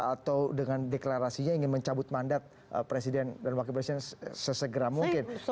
atau dengan deklarasinya ingin mencabut mandat presiden dan wakil presiden sesegera mungkin